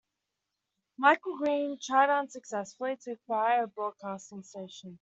Michael Green tried unsuccessfully to acquire a broadcasting station.